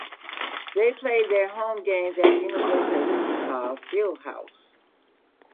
They played their home games at the University of Wichita Field House.